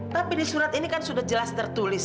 tapi di surat ini kan sudah jelas tertulis